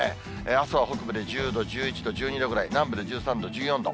あすは北部で１０度、１１度、１２度ぐらい、南部で１３度、１４度。